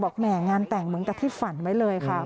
แหม่งานแต่งเหมือนกับที่ฝันไว้เลยค่ะ